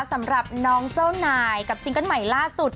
สำหรับน้องเจ้านายกับซิงเกิ้ลใหม่ล่าสุด